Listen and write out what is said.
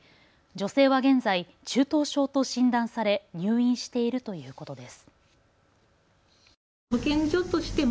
女性は現在、中等症と診断され入院しているということです。